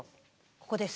ここです。